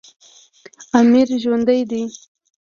امیر ژوندی دی.